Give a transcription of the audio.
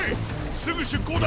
すぐ出港だ。